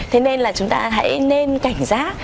thế nên là chúng ta hãy nên cảnh giác